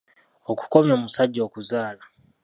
Okukomya omusajja okuzaala.